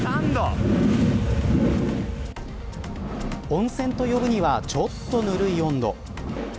温泉と呼ぶにはちょっとぬるい温度。